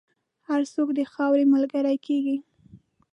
هر څوک د خاورې ملګری کېږي.